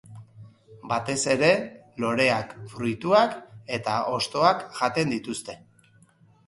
Batez ere loreak, fruituak eta hostoak jaten dituzte.